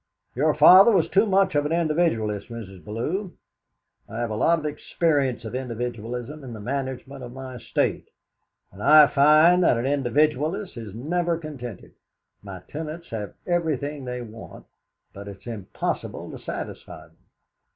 "Your father was too much of an individualist, Mrs. Bellew. I have a lot of experience of individualism in the management of my estate, and I find that an individualist is never contented. My tenants have everything they want, but it's impossible to satisfy them.